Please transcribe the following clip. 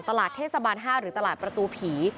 ตลาดเทศบาล๕หรือตลาดประตูผี